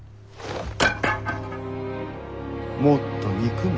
もっと憎め。